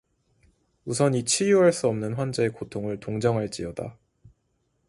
우선 이 치유할 수 없는 환자의 고통을 동정할지어다